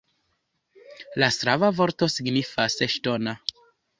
La slava vorto signifas ŝtona.